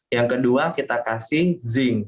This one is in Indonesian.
yang kedua kita kasih zinc